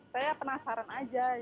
saya penasaran aja